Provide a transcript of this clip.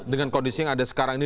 dengan kondisi yang ada sekarang ini